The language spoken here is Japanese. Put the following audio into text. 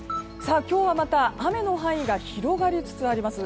今日はまた雨の範囲が広がりつつあります。